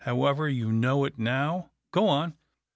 However, you know it now. Go on